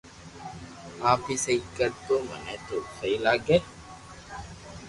آپ ھي سھي ڪر تو مني تو سھي لاگي